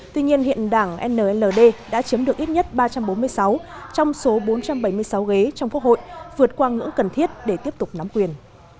tuy nhiên hiện đảng nld đã chiếm được ít nhất ba trăm bốn mươi sáu trong số bốn trăm bảy mươi sáu ghế trong quốc hội vượt qua ngưỡng cần thiết để tiếp tục nắm quyền